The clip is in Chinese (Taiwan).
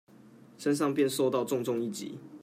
身上便受到重重一擊